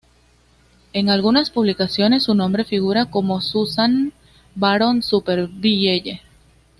En algunas publicaciones su nombre figura como Suzanne Baron Supervielle.